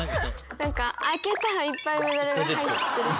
開けたらいっぱいメダルが入ってる。